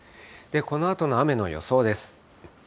このあとの雨の予想です。